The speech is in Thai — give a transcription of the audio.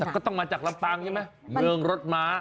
แต่ก็ต้องมาจากลำปางใช่ไหมเมืองรถม้า